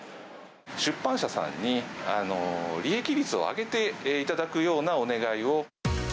出版社さんに、利益率を上げていただくようなお願いを。